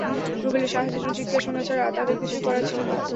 রুবেলের সাহায্যের জন্য চিৎকার শোনা ছাড়া তাঁদের কিছুই করার ছিল না।